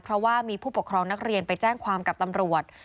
เพราะว่ามีผู้ปกครองนักเรียนไปแจ้งความกับตำรวจ